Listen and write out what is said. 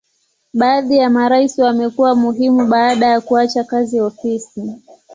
Baadhi ya marais wamekuwa muhimu baada ya kuacha kazi ofisi.